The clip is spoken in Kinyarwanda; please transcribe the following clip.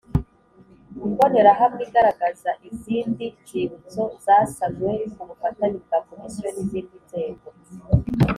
Imbonerahamwe igaragaza izindi nzibutso zasanwe ku bufatanye bwa Komisiyo n’ izindi nzego